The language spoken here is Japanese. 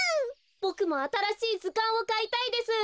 ボクもあたらしいずかんをかいたいです。